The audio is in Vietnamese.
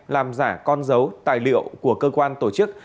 làm giả con dấu tài liệu của cơ quan tổ chức